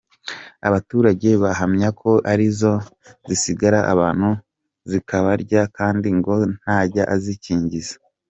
Abaturage bahamya ko ari zo zisagarira abantu zikabarya kandi ngo ntajya azikingiza.